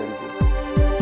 emangnya banyak banget sih